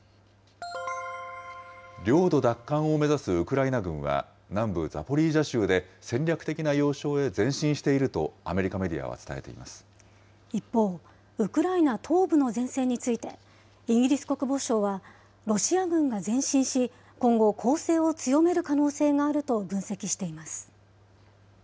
領土奪還を目指すウクライナ軍は、南部ザポリージャ州で戦略的な要衝へ前進しているとアメリカメデ一方、ウクライナ東部の前線について、イギリス国防省は、ロシア軍が前進し、今後、攻勢を強める可能性があると分析しています。